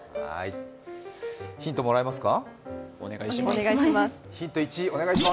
ヒントもらいますか。